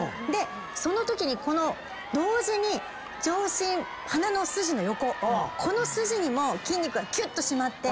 そのときに同時に上唇鼻の筋の横この筋にも筋肉がきゅっと締まって。